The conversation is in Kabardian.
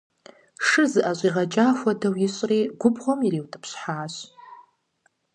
Шыр зыӀэщӀигъэкӀа хуэдэу ищӀри губгъуэм ириутӀыпщхьащ.